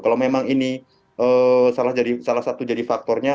kalau memang ini salah satu jadi faktornya